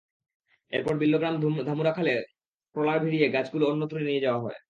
এরপর বিল্লগ্রাম ধামুরা খালে ট্রলার ভিড়িয়ে গাছগুলো অন্যত্র নিয়ে যাওয়া হয়।